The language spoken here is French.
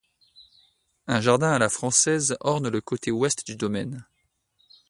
Un jardin à la française orne le côté ouest du domaine.